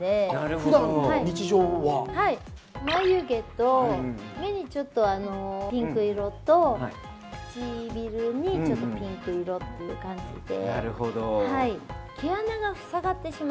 眉毛と目にちょっとピンク色と唇にちょっとピンク色っていう感じで。